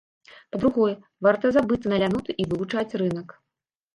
Па-другое, варта забыцца на ляноту і вывучаць рынак.